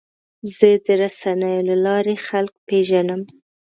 زه د رسنیو له لارې خلک پیژنم.